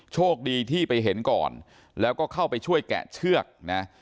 โชคดีที่ไปเห็นก่อนแล้วก็เข้าไปช่วยแกะเชือกนะ